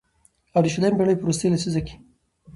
او د شلمې پېړۍ په وروستۍ لسيزه کې